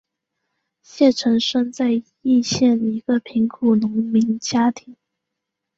谢臣生在易县一个贫苦农民家庭。